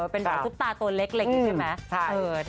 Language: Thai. เป็นแบบทุกตาตัวเล็กใช่ไหม